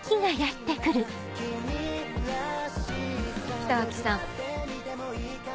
北脇さん。